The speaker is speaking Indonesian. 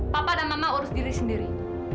papa dan mama urus diri sendiri